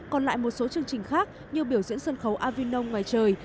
còn lại một số chương trình khác như biểu diễn sân khấu avinon ngoài trời